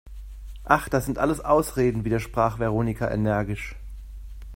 Ach, das sind alles Ausreden!, widersprach Veronika energisch.